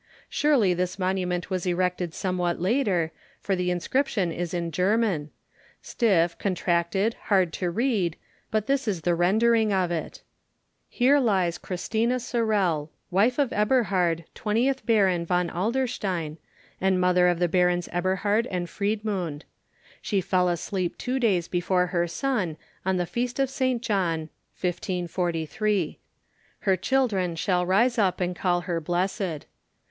Surely this monument was erected somewhat later, for the inscription is in German. Stiff, contracted, hard to read, but this is the rendering of it:— "Here lies Christina Sorel, wife of Eberhard, xxth Baron von Adlerstein, and mother of the Barons Eberhard and Friedmund. She fell asleep two days before her son, on the feast of St. John, mdxliii. "Her children shall rise up and call her blessed.